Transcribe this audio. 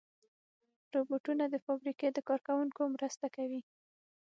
روبوټونه د فابریکې د کار کوونکو مرسته کوي.